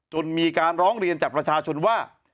จนมีการร้องเรียนจากประชาชนว่า